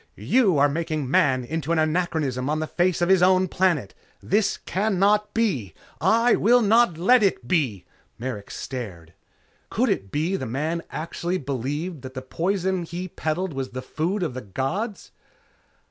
You are making Man into an anachronism on the face of his own planet. This cannot be! I will not let it be...." Merrick stared. Could it be that the man actually believed that the poison he peddled was the food of the gods?